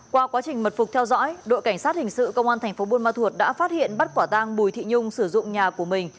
qua quá trình mật phục theo dõi đội cảnh sát hình sự công an thành phố buôn ma thuột đã phát hiện bắt quả tang bùi thị nhung sử dụng nhà của mình